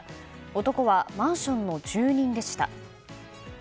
男はマンションの住人でした。